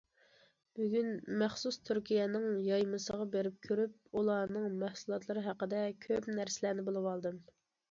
بۈگۈن مەخسۇس تۈركىيەنىڭ يايمىسىغا بېرىپ كۆرۈپ، ئۇلارنىڭ مەھسۇلاتلىرى ھەققىدە كۆپ نەرسىلەرنى بىلىۋالدىم.